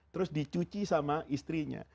terus dicuci sama istrinya